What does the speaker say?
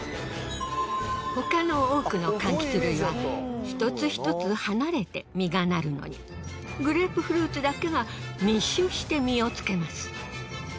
他の多くの柑橘類は一つ一つ離れて実がなるのにグレープフルーツだけが密集して実をつけます。